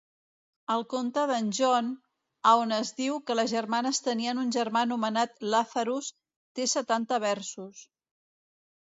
El conte d'en John, a on es diu que les germanes tenien un germà anomenat Lazarus, té setanta versos.